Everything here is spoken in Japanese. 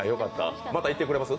また行ってくれます？